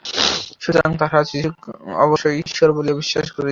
সুতরাং তাঁহারা যীশুকে অবশ্যই ঈশ্বর বলিয়া বিশ্বাস করিতেন।